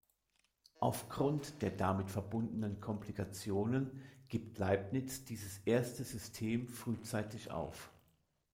Auf Grund der damit verbundenen Komplikationen gibt Leibniz dieses erste System frühzeitig auf.